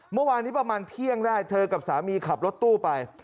เมื่อวานนี้ประมาณเที่ยงได้เธอกับสามีขับรถตู้ไป